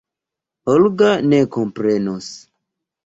Olga ne komprenos.